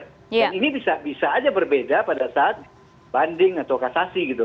dan ini bisa saja berbeda pada saat banding atau kasasi gitu